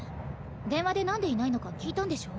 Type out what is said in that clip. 電話でなんでいないのか聞いたんでしょ？